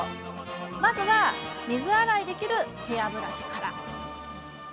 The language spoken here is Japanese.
まずは、水洗いできるヘアブラシから。